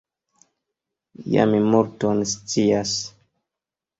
Ja mi multon scias.